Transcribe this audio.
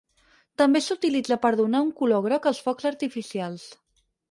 També s'utilitza per donar un color groc als focs artificials.